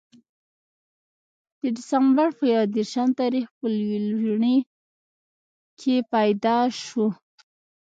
د دسمبر پۀ يو ديرشم تاريخ پۀ ليلوڼۍ کښې پېداشو